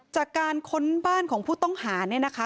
ค้นบ้านของผู้ต้องหาเนี่ยนะคะ